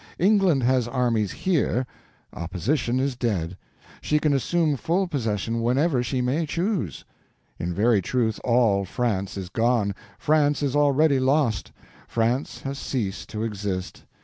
England has armies here; opposition is dead; she can assume full possession whenever she may choose. In very truth, all France is gone, France is already lost, France has ceased to exist.